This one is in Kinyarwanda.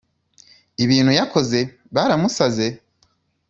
ibintu yakoze, baramusaze?